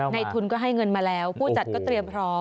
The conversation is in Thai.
ในทุนก็ให้เงินมาแล้วผู้จัดก็เตรียมพร้อม